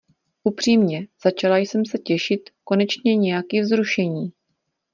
Upřímně, začala jsem se těšit, konečně nějaký vzrušení.